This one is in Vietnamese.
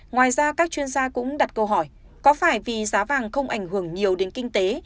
ngoài ra các chuyên gia cũng đặt câu hỏi có phải vì giá vàng không ảnh hưởng nhiều đến kinh tế